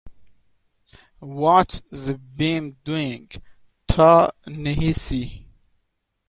What's the beam doing, Ta-Nehisi?.